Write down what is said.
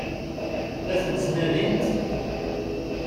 La tent-ttnadint?